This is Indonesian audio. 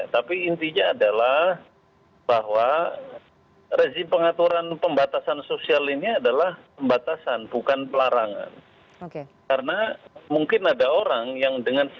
tapi intinya adalah bahwa rezim pengaturan pembatasan sosial ini adalah pembatasan bukan pelarangan